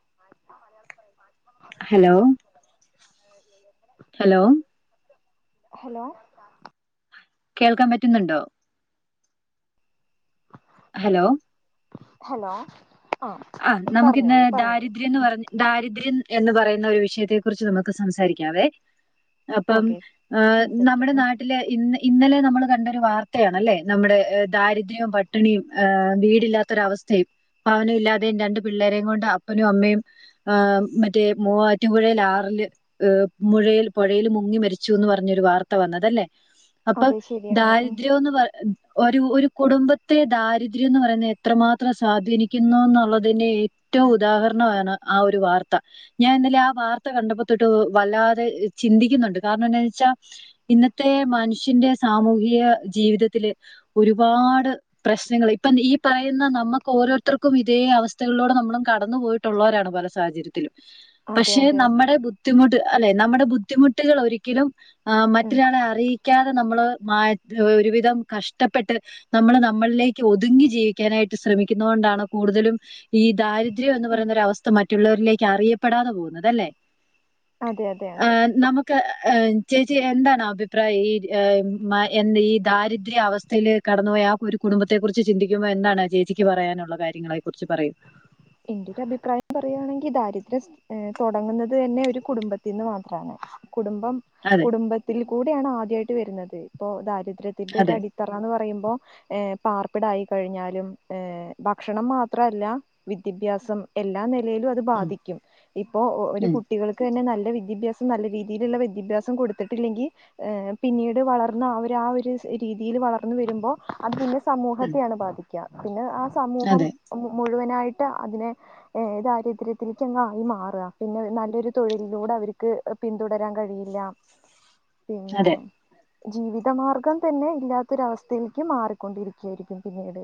മാച്ച മലയാളത്തി പറയും മ [unintelligible] മ മ മ ഹലോ ഹലോ ഹലോ കേൾക്കാൻ പറ്റുന്നുണ്ടോ ഹലോ ഹലോ ആ ആഹ് നമുക്കിന്ന് പറഞ്ഞോളൂ പറഞ്ഞോളൂ ദാരിദ്ര്യംന്ന് ഉം പറഞ്ഞ് ദാരിദ്ര്യം എന്ന് പറയുന്ന ഒരു വിഷയത്തെ കുറിച്ച് നമുക്ക് സംസാരിക്ക്യാവേ അപ്പം ഓക്കെ ഏഹ് സംസാരിക്കാം നമ്മുടെ ഉം നാട്ടില് ഇന്ന് ഇന്നലെ നമ്മൾ കണ്ടൊരു വാർത്തയാണല്ലേ, നമ്മുടെ ദാരിദ്ര്യവും പട്ടിണിയും ഇഹ് വീടില്ലാത്തൊരവസ്ഥയും ഭവനം ഇല്ലാതെയും രണ്ടു പിള്ളേരെയും കൊണ്ട് അപ്പനും അമ്മയും ഏഹ് മറ്റേ മൂറ്റുപുഴയിൽ ആറില് ഇഹ് മുഴയിൽ, പുഴയിൽ മുങ്ങി മരിച്ചുന്ന് പറഞ്ഞൊരു വാർത്ത വന്നതല്ലേ അപ്പഹ് അതെ ശരിയാണ് ഉം ദാരിദ്രോംന്ന് പറ ഒരു, ഒരു കുടുംബത്തെ ദാരിദ്ര്യം എന്ന് പറയുന്നത് എത്രമാത്രം സ്വാധീനിക്കുന്നു എന്നുള്ള തിന് ഏറ്റവും ഉദാഹരണമാണ് ആ ഒരു വാർത്ത. ഞാൻ ഇന്നലെ ആ വാർത്ത കണ്ടപ്പോതൊട്ട് വല്ലാതെ ചിന്തിക്കുന്നുണ്ട് കാരണം എന്താണെന്ന് വെച്ചാ ഇന്നത്തെ മനുഷ്യന്റെ സാമൂഹിക ജീവിതത്തില് ഒരുപാട് പ്രശ്നങ്ങള്, ഇപ്പം ഈ പറയുന്ന നമ്മക്ക് ഓരോരുത്തർക്കും ഇതേ അവസ് തള്ളോടെ നമ്മളും കടന്നു പോയിട്ടുള്ളോരാണ് പല സാഹചര്യത്തിലും. അതെ പക്ഷെ, അതെ നമ്മടെ ബു ദ്ധിമുട്ട്, അല്ലെ, നമ്മുടെ ബുദ്ധിമുട്ടുകൾ ഒരിക്കലും ആഹ് ഉം മറ്റൊരാളെ അറീ ക്കാതെ നമ്മള് മാ ഒരുവിധം കഷ്ടപ്പെട്ട് നമ്മള് നമ്മളിലേക്ക് ഒതുങ്ങി ജീവിക്കാനായിട്ട് ശ്രമിക്കുന്നത് കൊണ്ടാണ് കൂടുതലും ഈ ദാരിദ്ര്യം എന്ന് ഉം പറയുന്ന ഒരു അവസ്ഥ മറ്റുള്ളവരിലേക്ക് അറിയപ്പെടാതെ പോവുന്നത് അല്ലേ? അതെ അതെ അതെ ആഹ് നമു ക്ക ഏഹ്, ചേച്ചി എന്താണ് അഭിപ്രായം ഈ ഈ മ എന്തെ ഈ ദാരിദ്ര്യ അവസ് ത്തയില് കടന്നു പോയ ആ, ഒരു കുടുംബത്തെ കുറിച്ച് ചിന്തിക്കുമ്പോൾ എന്താണ് ചേച്ചിക്ക് പറയാനുള്ള കാര്യങ്ങളെ അതേ കുറിച്ച് പറയു? എന്റെ ഒരു അഭിപ്രായം പറയു ആണെങ്കിൽ ദാരിദ്ര്യം സ് ഏഹ്, തുടങ്ങുന്നത് തന്നെ ഒരു കുടുംബത്തിന്ന് മാത്രമാണ്. കുടുംബം അതെ കുടുംബത്തിൽ കൂടെയാണ് ആദ്യമായിട്ട് വരുന്നത്. ഇപ്പോ ദാരിദ്ര്യത്തിന്റെ ഒരു അതെ. അടി ത്തറാന്ന് പറയുമ്പോ ഏഹ്, പാർപ്പിടായി കഴിഞ്ഞാലും ഏഹ്, ഭക്ഷണം മാത്രമല്ല വിദ്യഭ്യാസം എല്ലാ നിലയിലും അത് ഉം ബാധിക്കും. ഇപ്പോ ഒരു ഉം കുട്ടികൾ ക്കെന്നെ നല്ല വിദ്യഭ്യാസം നല്ല രീതിയിലുള്ള വിദ്യഭ്യാസം കൊടുത്തിട്ടില്ലെങ്കിൽ ഏഹ്, പിന്നീട് വളർന്ന് അവര് ആ ഒരു രീതിയിൽ വളർന്ന് വരുമ്പോ അത് പിന്നെ ഉം സമൂഹത്തെയാണ് ബാധിക്ക്, പിന്നെ ആ സമൂഹം അതെ മുഴുവനായിട്ട് അതിനെ ഏഹ്, ദാരിദ്ര്യത്തിൽ ചെന്ന് ആയി മാറ്. പിന്നെ നല്ലൊരു തൊഴിലിലൂടെ അവര്ക്ക് പിന്തുടരാൻ കഴിയില്ല. [inaudible] പിന്നെ ജീവിതമാർഗം തന്നെ ഇല്ലാത്തൊരവസ്ഥയിലേക്ക് മാറിക്കൊണ്ടിരിക്കുകയായിരിക്കും പിന്നീട്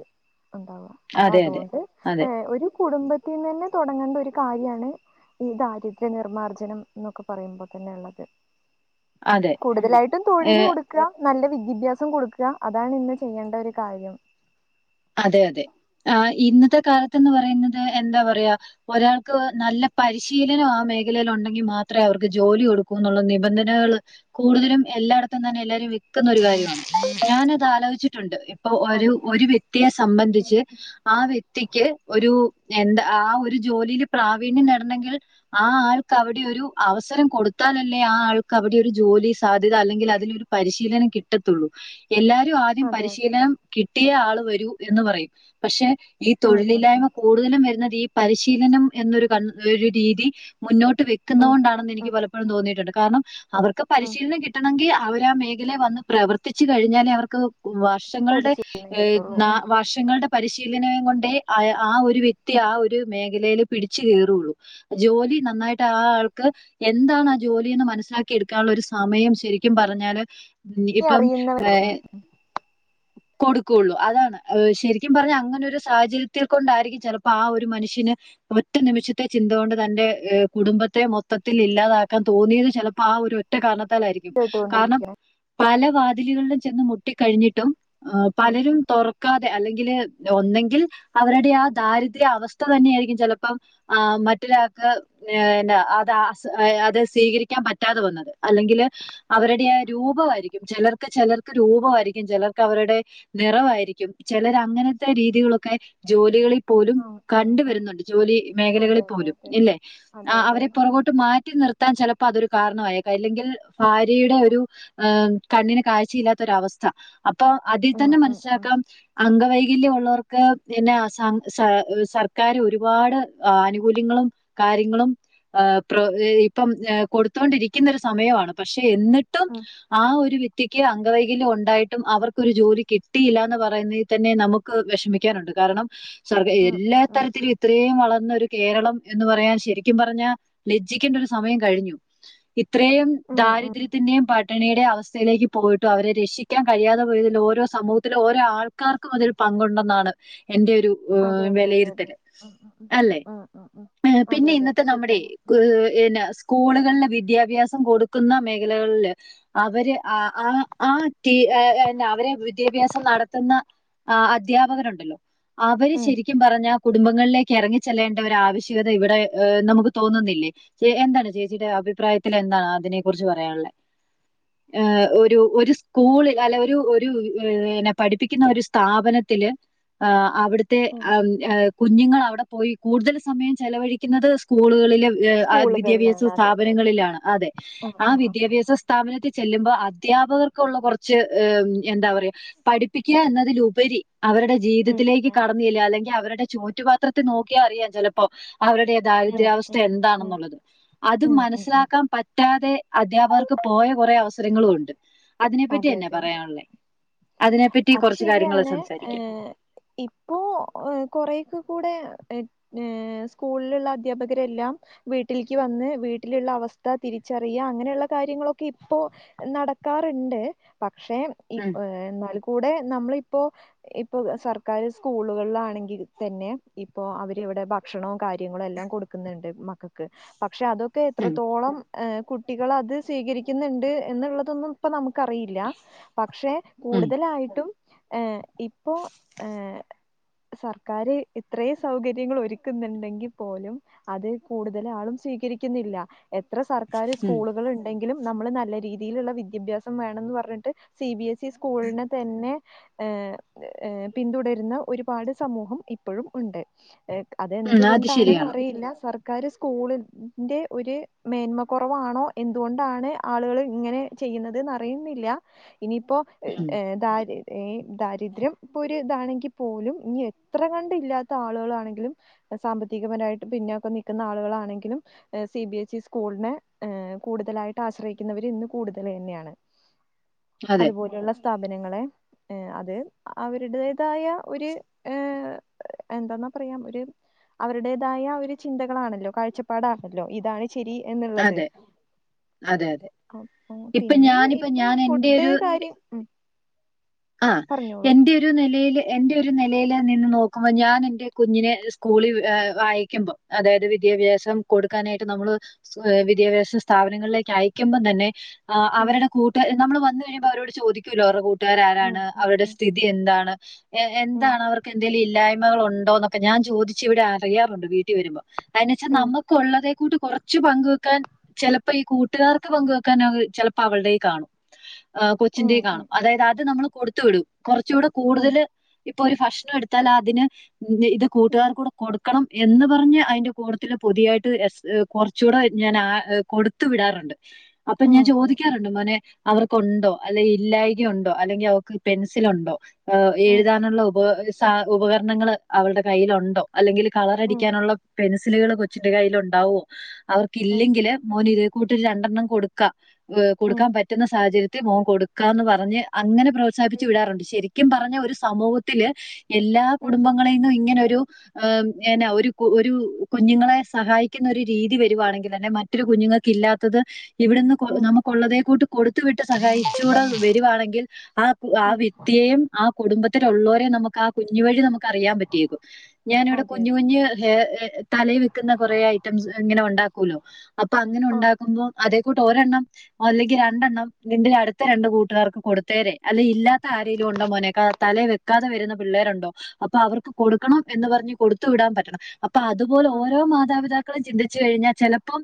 ഉണ്ടാവ്. അപ്പൊ അതെ അതെ അതോണ്ട് അതെ ഏഹ്, ഒരു കുടുംബത്തിൽ നിന്ന് തന്നെ തൊട ങ്ങണ്ട ഒരു കാര്യാണ് ഈ ദാരിദ്ര്യ നിർമാർജ്ജനം എന്നൊക്കെ പറയുമ്പ തന്നെ ഇള്ളത്. അതെ. കൂടുതലായിട്ടും ഏഹ് തൊഴില് കൊട് ക്ക് നല്ല വിദ്യഭ്യാസം കൊടുക്ക് അതാണ് ഇന്ന് ചെയ്യേണ്ട ഒരു കാര്യം. അതെ, അതെ ആഹ് ഇന്നത്തെ കാലത്ത്ന്ന് പറയുന്നത് എന്താ പറയാ ഒരാൾക്ക് നല്ല പരിശീലനം ആ മേഖലയിൽ ഉണ്ടെങ്കിൽ മാത്രേ അവർക്ക് ജോലി കൊടുക്കൂന്നുള്ള നിബന്ധനകള് കൂടുതലും എല്ലായിടത്തും തന്നെ എല്ലാരും വി ക്ക്ന്ന ഒരു കാര്യാണ്. ഞാന് അത് ആലോചിച്ചിട്ടുണ്ട്. ഇപ്പൊ ഒരു, അതെ ഒരു വ്യക്തിയെ സംബന്ധിച്ച് ആ വ്യക്തിക്ക്, ഒരു എന്താ ആ ഒരു ജോലിയിൽ പ്രാവീണ്യം നേടണമെങ്കിൽ ആ ആൾക്ക് അവിടെ ഒരു അവസരം കൊടുത്താലല്ലേ ആ ആൾക്ക് അവിടെ ഒരു ജോലി സാധ്യത അല്ലെങ്കിൽ അതിനൊരു പരിശീലനം കിട്ടത്തുള്ളൂ. എല്ലാരും ആ ദ്യം അതെ അതെ പരിശീലനം കിട്ടിയ ആള് വരൂ എന്ന് പറയും. പക്ഷെ ഈ ഉം ഉം ഉം തൊഴിലില്ലായ്മ കൂ കൂടുതലും വരുന്നത് ഈ പരിശീലനം എന്നൊരു ക രീതി മുന്നോ ട്ട് വെക്കുന്നതു ഉം കൊണ്ടാണെന്ന് എനിക്ക് ഉം പലപ്പോഴും തോന്നിയിട്ടുണ്ട്. കാരണം അവർക്ക് ഉം പരിശീലനം കിട്ടണെങ്കി അവര് ആ മേഖലയിൽ വന്ന് പ്രവർത്തിച്ചു കഴിഞ്ഞാലേ അവർക്ക് വർഷങ്ങള്ടെ പരിശീലനം ഏഹ്, കിട്ടുള്ളൂ ഉം വർഷങ്ങള്ടെ പരിശീലനം കൊണ്ടേ അയ ആ ഒരു വ്യക്തി ഉം ആ ഒരു ഒര് മേഖലേല് പിടിച്ച് കേറുള്ളൂ, ജോലി നന്നായിട്ട് ആ ആൾക്ക് എന്താണ് ആ ജോലീന്ന് മനസ്സിലാക്കി എടുക്കാനുള്ള ഒരു സമയം ശെരിക്കും പറഞ്ഞാല് ഇപ്പം അറിയുന്നവരേ ഉള്ളൂ ഏഹ് ഉം എ കൊടുക്കു ഒള്ളൂ. അതാണ് ഹ് ശരിക്കും പറഞ്ഞാ അങ്ങനൊരു സാഹചര്യത്തിൽ കൊണ്ടായിരിക്കും ചെലപ്പോ ആഹ് ഒരു മനുഷ്യന് ഒറ്റ നിമിഷത്തെ ചിന്ത കൊണ്ട് തന്റെ ഹേ കുടുംബത്തെ മൊത്തത്തിൽ ഇല്ലാതാക്കാൻ തോന്നിയത് ചെലപ്പോ ആഹ് ഒരു ഒറ്റ കാരണത്താലായിരി കാരണം കേട്ടുകൊണ്ടിരിക്കണേ പല വാതിലുകളിലും ചെന്ന് മുട്ടിക്കഴിഞ്ഞിട്ടും എഹ് ആഹ് പലരും ഉം തൊറക്കാതെ അല്ലെങ്കില് ഒന്നെങ്കിൽ അവരുടെ ആ ദാരിദ്ര്യ അവസ്ഥ തന്നെ ആയിരിക്കും ചെലപ്പം ഒ ആഹ് മറ്റൊരാക്ക് ഏഹ് ന്നെ അതാസ് ഏഹ് അത് സ്വീകരിക്കാൻ പറ്റാതെ വന്നത് അല്ലെങ്കില് അവരുടെ ആഹ് രൂപമായിരിക്കും. ചെലർക്ക് ചെലർക്ക് രൂപമായിരിക്കും. ചെലർക്ക് അവരുടെ നിറവായി ക്കും ചെലര അങ്ങനത്തെ രീതികളൊക്കെ ജോലികളിൽ പോലും ആഹ് ഉം കണ്ട് ഉം വരുന്നുണ്ട് ജോലി അതെ മേഖലകളിൽ അതെ പോലും അതെ ഇല്ലേ? അതെ ആഹ് അതെ അവരെ അതെ പൊറകോട്ട് മാറ്റി നിർത്താൻ ചെലപ്പോ അതൊരു കാരണമായേക്ക അല്ലെങ്കിൽ ഭാര്യയുടെ ഒരു ഹേ കണ്ണിന് കാഴ്ചയില്ലാത്തൊരവസ്ഥ അപ്പൊ അതിൽ ഉം തന്നെ ഉം ഉം മനസ്സിലാക്കാം അംഗവൈകല്യം ഉള്ളവർക്ക് പിന്നെ സ സ സർക്കാര് ഒരുപാട് ആനുകൂല്യങ്ങളും കാര്യങ്ങളും ഏഹ് പ്രൊ ഇപ്പം ഹേ കൊടുത്തോണ്ടിരിക്കുന്നരു സമയവാണ്. പക്ഷെ എന്ന്ട്ടും ഉം ആ ഒരു വ്യക്തിക്ക് അംഗവൈകല്യം ഉണ്ടായിട്ടും അവർക്കൊരു ജോലി കിട്ടിയില്ല. പറയ്ന്നേ തന്നെ നമുക്ക് വിഷമിക്കാനുണ്ട് കാരണം സ്വർഗേ ഉം ഉം എല്ലാ തരത്തില് ഇത്രയും വളർന്ന ഒരു കേരളം എന്ന് പറയാൻ ശരിക്കും പറഞ്ഞ ലജ്ജിക്കേണ്ട ഒരു സമയം കഴിഞ്ഞു. ഇത്രയും ഉം ഉം ഉം ഉം ദാരിദ്ര്യത്തിന്റെയും പ ട്ട്ണിയുടെ അവസ്ഥയിലേക്ക് പോയിട്ടും അവരെ രക്ഷിക്കാൻ കഴിയാതെ വരുല്ലോ ഓരോ സമൂ ത്തിലെ ഓരോ ആൾക്കാർക്കും അതിൽ പങ്കുണ്ടെന്നാണ് എൻ്റെ ഒരു ഹേ അതെ അതെ അതെ വെലയിരുത്തൽ അതെ ഉം ഉം അല്ലെ? ഉം ഉം ഉം ഉം ഹ് അതെ പിന്നെ അതെ ഇന്നത്തെ നമ്മടെ ശരിയാണ് കൂ പിന്ന കൂളുകളിലെ വിദ്യാഭ്യാസം കൊടുക്കുന്ന മേഖലകളില് അവര് ആഹ് ആഹ് ആഹ് തീ ഏഹ് എന്താ അവരെ വിദ്യാഭ്യാസ് നടത്തുന്ന ആഹ് അധ്യാപകരുണ്ടല്ലോ അവര് ഉം ശരി രിക്കും പറഞ്ഞ കുടുംബങ്ങളിലേക്ക് എറങ്ങി ചെല്ലേണ്ട ഒരു ആവശ്യകത ഇവടെ ഹേ നമക്ക് തോന്നുന്നില്ലേ. എന്താണ് ചേച്ചിയുടെ അഭിപ്രായത്തിൽ എന്താണ് അതിനെ കുറിച്ച് പറയാൻള്ളെ? ഏഹ് ഒരു ഒര് സ്കൂള് അല്ലെ ഒരു ഒരു ഇന പഠിപ്പിക്കുന്ന ഒരു സ്ഥാപനത്തില് ഹേ അവിടത്തെ ഉം ഹേം കുഞ്ഞുങ്ങൾ അവിടെ പോയി കൂടുതൽ സമയം ചെലവഴിക്കുന്നത് സ്കൂളുകളിലെ ഏഹ് ആഹ് സ്കൂളുകളിലാണ് വിദ്യാഭ്യാസ അതെ അതെ അതെ സ്ഥാപനങ്ങളിലാണ് അതെ ആഹ് വിദ്യാഭ്യാസ സ്ഥാപനത്തി ചെല്ലുമ്പോ അധ്യാപകർക്കുള്ള കൊർച്ച് ഹേം എന്താ പറയാ പഠി പ്പിക്കാ എന്നതിലുപരി അവരുടെ ജീവിതത്തിലേക്ക് ആഹ് കടന്ന് ചെല്ല അല്ലെങ്കി അവരുടെ ചോറ്റുപാത്ര നോക്കിയാ അറിയാ ചെലപ്പോ അവരുടെ ഉം ദാരിദ്രാവസ്ഥ ഉം ഉം ഉം എന്താണെന്നുള്ളത് അത് ഉം ഉം ഉം മനസ്സിലാക്കാൻ പ റ്റാതെ അധ്യാപകർക്ക് പോയ കൊറെ അവസരങ്ങളും ഉണ്ട്. അതിനെപ്പറ്റി അതെ തന്നെ അതെ അതെ പറയാള്ളേ അതിനെപ്പ അത് ശരിയാണ് ഏ ഇപ്പോ കൊറെക്ക കൂടെ എഹ് ഏഹ് സ്കൂളില്ള്ള അധ്യാപകരെല്ലാം വീട്ടില്ക്ക് വന്ന് വീട്ടിലുള്ള അവസ്ഥ തിരിച്ചറിയ അങ്ങനെയുള്ള കാര്യങ്ങളൊക്കെ ഇപ്പോ നടക്കാർണ്ട് പക്ഷെ ഉം ഇപ്പോ ഏഹ് എന്നാൽ കൂടെ നമ്മളിപ്പോ ഇപ്പൊ സർക്കാർ സ്കൂളുകളിലാണെങ്കിൽ തന്നെ ഇപ്പൊ അവരിവിടെ ഭക്ഷണൊ കാര്യങ്ങളും എല്ലാം കൊടു ക്കുന്ന്ണ്ട് മക്കക്ക് പക്ഷെ അതൊ ക്കെ ഉം എത്രത്തോളം ഹേ കുട്ടികളത് സ്വീകരിക്ക്‌ന്ന്ണ്ട് എന്നുള്ളതൊന്നും ഇപ്പൊ നമുക്കറിയില്ല പക്ഷെ ഉം കൂടുതലായിട്ടും ഏഹ് ഇപ്പോ ഏഹ് സർക്കാര് ഇത്രയും സൗകര്യങ്ങൾ ഒരുക്കുന്ന്ണ്ടെങ്കി പോലും അത് കൂടുതൽ ആളും സ്വീകരിക്കുന്നില്ല എത്ര സർക്കാര് ഉം സ്കൂളുകൾ ഉണ്ടെങ്കിലും നമ്മള് നല്ല രീതിയിലുള്ള വി ദ്യഭ്യാസം വേണംന്ന് പറഞ്ഞിട്ട് സി ബി എസ് ഇ സ്കൂളിനെ തന്നെ ഏഹ് ഏഹ് പിന്തുടരുന്ന ഒരുപാട് സമൂഹം ഇപ്പഴും ഉണ്ട് ഉം അത് അതെന്തുകൊണ്ടാണെന്ന് ശരിയാണ് അറിയില്ല സർ ക്കാര് സ്കൂളിന്റെ ഒരു മേന്മ കുറവാണോ എന്തുകൊണ്ടാണ് ആളുകള് ഇങ്ങനെ ചെയ്യുന്നത് ന്ന് അറിയുന്നില്ല ഇനിയിപ്പോ ഉം. ഏഹ് ദാര് ഏഹ് ദാരിദ്ര്യം ഇപ്പൊ ഒരു ഇതാണെങ്കി പോലും ഇനി എത്ര കണ്ട് ഇല്ലാത്ത ആളുകളാണെങ്കിലും സാമ്പത്തികപരായിട്ട് പിന്നൊക്കെ നിക്കുന്ന ആളുകളാണെങ്കിലും എഹ് സി ബി എസ് ഇ സ്കൂളിനെ ഏഹ് കൂടുതലായിട്ട് ആശ്രയിക്കുന്നവര് ഇന്ന് കൂടുതല് ന്നെയാണ് അതെ. അതുപോലെയുള്ള സ്ഥാപനങ്ങളെ ഏഹ് അത് അവരുടേതായ ഒര് ഏഹ് എന്താന്നാ പറയാം ഒരു അവരുടേതായ ഒരു ചിന്തകളാണല്ലോ കാഴ്ചപ്പാടാണല്ലോ ഇതാണ് ശരി എന്നുള്ളത് അതെ. അതെ, അതെ. ഔ ഇപ്പൊ പിന്നെ ഞാനിപ്പോ ഇപ്പൊ ഞാൻ എന്റെ ഫുഡ് കാര്യം ഉം ആഹ് പറഞ്ഞോളൂ എന്റെ ഒരു നിലയില് എന്റെ ഒരു നിലയിൽ നിന്ന് നോക്കുമ്പോ ഞാൻ എൻ്റെ കുഞ്ഞിനെ സ്കൂളിൽ ഏഹ് വായിക്കുമ്പോം അതായത് വിദ്യാഭ്യാസം കൊടുക്കാനായിട്ട് നമ്മള് സ്വ ഏഹ് വിദ്യാഭ്യാസ സ്ഥാപനങ്ങളിലേക്ക് അയക്കുമ്പം തന്നെ ആഹ് ഉം അവരടെ കൂട്ട നമ്മള് വന്നു കഴിയുമ്പോ അവരോട് ചോദിക്കുലോ അവരുടെ കൂട്ടുകാര ഉം ഉം അവരുടെ ഉം സ്ഥിതി എന്താണ് ഉം എന്താണ് അവർക്ക് എന്തെങ്കിലും ഇല്ലായ്മകൾ ഉണ്ടോന്നൊ കെ ഞാൻ ചോദിച്ച് ഇവിടെ അറിയാറുണ്ട് വീട്ടി വരുമ്പോ കാര്ണച്ച ഉം നമക്കുള്ളതെ കൂട്ട് കുറച്ച് പങ്ക് വെക്കാൻ ചെലപ്പോ ഈ കൂട്ടുകാർക്ക് പങ്ക് വെക്കാൻ [unintelligible] ചെലപ്പോ അവൾടെ കാണും ആഹ് കൊച്ചിന്റെ ഉം കാണും ഉം അതായത് അത് നമ്മള് കൊടുത്തു വിടും കുറച്ചുടെ ഉം കൂടുതല് ഇപ്പൊ ഒരു ഭക്ഷണം എടുത്താൽ അതിന് ഇത് ഉം കൂട്ടുകാർ കൂടെ കൊടുക്കണം എന്ന് പറഞ്ഞ് അയിന്റെ കൂട്ടത്തില് പൊതിയായിട്ട് കുറച്ചൂടെ ഞാൻ ആഹ് കൊടുത്തു വിടാറുണ്ട് അപ്പൊ ഞാൻ ഉം ഉം ചോദിക്കാറുണ്ട് മോനെ അവർക്കുണ്ടോ അല്ലെ ഇല്ലായായികയുണ്ടോ അല്ലെങ്കി അവ പെൻസിൽ ഉണ്ടോ ഹ് ഉം എഴുതാനുള്ള ഉപ സാ ഉപകരണങ്ങൾ അവര്ടെ കയ്യിലുണ്ടോ അല്ലെങ്കില് ഉം കളർഅടിക്കാനുള്ള പെൻസിലുകള് കൊച്ചിന്റെ കൈയില് ഉണ്ടാവോ അവർക്ക് ഉം ഇല്ലെങ്കില് മോന് ഇതേ കൂട്ട് രു രണ്ടെണ്ണം കൊടുക്കാ ഉം കൊടുക്കാൻ പറ്റുന്ന സാഹചര് ത്തെ മോൻ കൊടുക്കാന്ന് പറഞ്ഞ് അങ്ങനെ പ്രോത്സാഹിപ്പിച്ചു ഉം വിടാറുണ്ട് ശരിക്കും പറഞ്ഞ ഒരു സമൂഹത്തില് എല്ലാ ഉം കുടുംബങ്ങളെന്നും ഇങ്ങനൊരു ഉം എന ഒരു ഒരു കുഞ്ഞുങ്ങളെ സഹായിക്കുന്ന ഒരു രീതി വരുവാണെങ്കിൽതന്നെ മ ഒത്തിരി കുഞ്ഞുങ്ങക്ക് ഇല്ലാത്തത് ഇവിടെന്ന് ഉം നമുക്കുള്ളതേ കൂട്ട് കൊടുത്തു വിട്ട് സഹായിച്ചൂടെ വരുവാണെങ്കിൽ ആഹ് ആ ഉം വ്യക്തിയേയും ആ കുടുംബത്തിലുള്ളരെം ആ കുഞ്ഞു വഴി നമു അറിയാൻ പറ്റിയേക്കും ഞാനിവിടെ അതെ കുഞ്ഞു അതെ കുഞ്ഞു അതെ ഹെ തലേ ക്കുന്ന കുറേ ഐറ്റംസ് ഇങ്ങനെ ഉണ്ടാക്കൂല്ലോ അപ്പൊ അങ്ങനെ ആഹ് ഉണ്ടാക്കുമ്പോ അതേ കൂട്ട ഒരെണ്ണം അല്ലെങ്കി രണ്ടെണ്ണം നിന്റെ അടുത്ത രണ്ട് കൂട്ടുകാർക്ക് കൊടുത്തേരെ അല്ലെങ്കി ഇല്ലാത്ത ആരെലും ഉണ്ടോ മോനെക്ക തലേ വെക്കാതെ വരുന്ന പിള്ളേരുണ്ടോ അപ്പൊ അവർക്ക് കൊടുക്കണം എന്ന് പറഞ്ഞ് കൊടുത്തു വിടാൻ പറ്റണം അപ്പ അതുപോലെ ആഹ് ഓരോ മാതാപിതാക്കളും ചിന്തിച്ചു കഴിഞ്ഞാൽ ചിലപ്പോം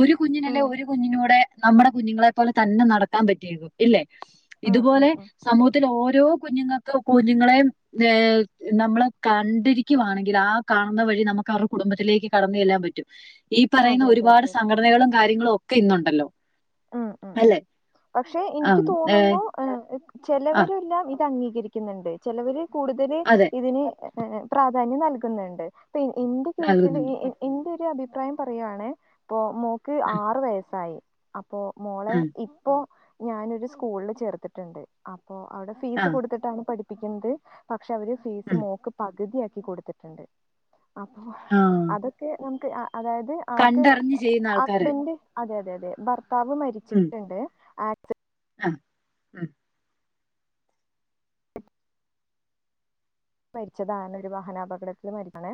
ഒരു ഉം കുഞ്ഞിനല്ലേ ഒരു കുഞ്ഞിനൂടെ നമ്മടെ കുഞ്ഞുങ്ങളെ പോലെ തന്നെ നടക്കാൻ പറ്റിയക്കും ഇല്ലെ ഉം ഉം ഇതുപോലെ ഉം സമൂഹത്തിൽ ഓരോ കുഞ്ഞുങ്ങൾക്ക് കുഞ്ഞുങ്ങളെയും ഏ നമ്മള് കണ്ടിരിക്കുവാണെങ്കിൽ ആ കാണുന്ന വഴി നമുക്ക് അവരുടെ കുടുംബത്തിലേക്ക് കടന്നെല്ലാൻ പറ്റും. ഈ പറയുന്ന അതെ അതെ ഒരുപാട് അതെ അതെ സംഘടനകളും കാര്യങ്ങളും ഒക്കെ ഇന്നുണ്ടല്ലോ. ആഹ് ആഹ് ആഹ് അല്ലെ? പക്ഷെ ആം എനിക്ക് ഏ തോന്നുന്നു. ആ ആ ചെലവരെല്ലാം ഇത് അംഗീകരിക്കുന്നുണ്ട്. ചെലവര് കൂടുതൽ അതെ ഇതിനെ പ്രാധാന്യം നൽകുന്നുണ്ട്ം എന്റെ കേസില് നൽകുന്നുണ്ട്. ഈ എന്റെ ഒരു അഭിപ്രായം പറയാണയ് ഇപ്പോമോക്ക് ഉം ആറ് വയസ്സായി. അപ്പോ മോളെ ഉം ഇപ്പോ ഞാനൊരു സ്കൂള്ല് ചേർത്ത്ട്ട്ണ്ട്. അപ്പൊ അവടെ ആ ഫീസ് കൊടുത്തിട്ടാണ് പഠിപ്പിക്ക്ന്ന്ത്. പക്ഷെ അവര് ഫീസ് ഉം മോക്ക് പകുതിയാക്കി കൊടുത്തിട്ടുണ്ട്. അപ്പോ ആ അതൊക്കെ ഞമ ക്ക് അതായത് അവക്ക് കണ്ടറിഞ്ഞ് ചെയ്യുന്ന ആൾക്കാര് ഹസ്ബൻഡ്. അതെ അതെ അതെ ഭർത്താവ് മരിച്ചിട്ട്ണ്ട് അ ആഹ് ഉം. മരിച്ചതാണ് ഒരു വാഹനാപകടത്തിൽ മരിക്കണ്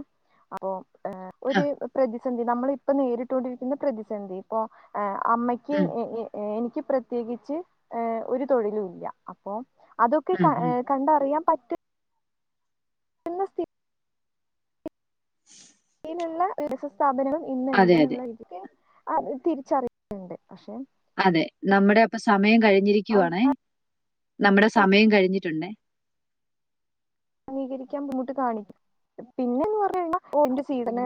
അപ്പോ ഏഹ് ആ ഒരു പ്ര പ്രതി സന്ധി നമ്മളിപ്പൊ നേരിട്ടൊണ്ടിരിക്കുന്ന പ്രതിസന്ധി ഇപ്പൊ അമ്മയ്ക്ക് ഉം ഇ ഏഹ് എനിക്ക് പ്രത്യേകിച്ച് ഹ് ഒരു തൊഴിലുല്ല അപ്പോ അതൊക്കെ ഉം ക ഉം കണ്ടറിയാം പറ്റു എന്നും സ്ഥി [inaudible] ലിള്ള സ്ഥാപനങ്ങളും അതെ അതെ ഇന്നുണ്ടെന്നുള്ള രീതിക്ക് അത് തിരിച്ചറിയുന്നുണ്ട് പക്ഷെ. അതെ നമ്മടെപ്പൊ സമയം ആൾക്ക് കഴിഞ്ഞിരിക്കുവാണേ നമ്മടെ സമയം കഴിഞ്ഞിട്ടുണ്ട്. സീകരിക്കാ ബുദ്ധിമുട്ട് കാണിക്കും പിന്നെന്ന് പറ കഴിഞ്ഞാൽന്റെ സീഡിനെ.